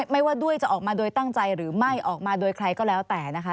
ไม่ว่าด้วยจะออกมาโดยตั้งใจหรือไม่ออกมาโดยใครก็แล้วแต่นะคะ